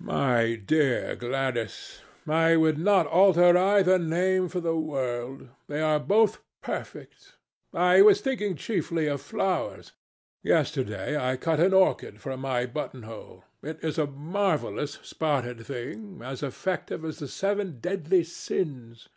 "My dear Gladys, I would not alter either name for the world. They are both perfect. I was thinking chiefly of flowers. Yesterday I cut an orchid, for my button hole. It was a marvellous spotted thing, as effective as the seven deadly sins.